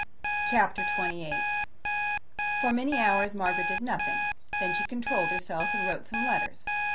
Chapter 28 For many hours Margaret did nothing; then she controlled herself, and wrote some letters.